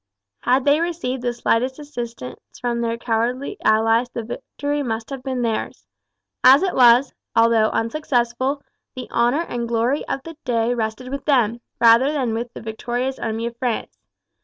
Had they received the slightest assistance from their cowardly allies the victory must have been theirs. As it was, although unsuccessful, the glory and honour of the day rested with them, rather than with the victorious army of France.